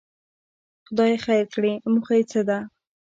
خدای خیر کړي، موخه یې څه ده.